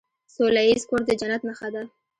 سوله ایز کور د جنت نښه ده.